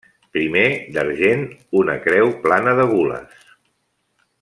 Primer, d'argent, una creu plana de gules.